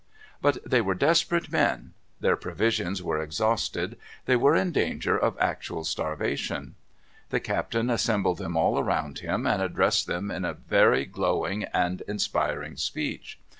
But they were desperate men; their provisions were exhausted; they were in danger of actual starvation. The captain assembled them all around him, and addressed them in a very glowing and inspiring speech.